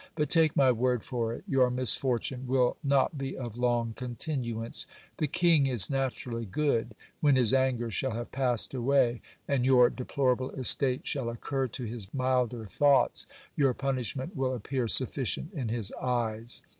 But, take my word for it, your misfortune will not be of long continuance. The king is naturally good. When his anger shall 316 GIL BLAS. have passed away, and your deplorable estate shall occur to his milder thoughts, your punishment will appear sufficient in his eyes.